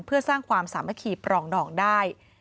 เพื่อสร้างความสามัคคีปรองดองได้